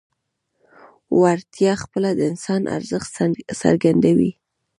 وړتیا خپله د انسان ارزښت څرګندوي.